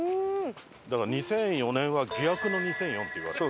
だから２００４年は「疑惑の２００４」って言われてる。